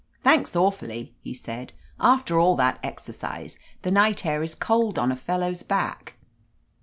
"Thanks, awfully," he said. "After all that exercise, the night air is cold on a fellow's back."